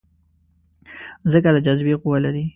مځکه د جاذبې قوه لري.